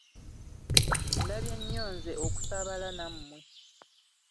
Ndabye nnyo nze okusaabala nammwe!